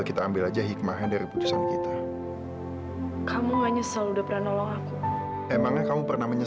sampai jumpa di video selanjutnya